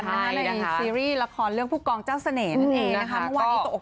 ในซีรีส์ละครเรื่องพวกกองเจ้าเสมนนั่นเองนะคะ